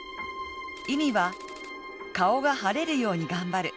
意味は、顔が晴れるように頑張る。